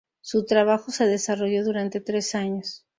Su trabajo se desarrolló durante tres años.